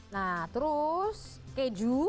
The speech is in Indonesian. nah terus keju